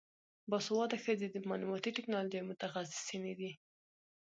باسواده ښځې د معلوماتي ټیکنالوژۍ متخصصینې دي.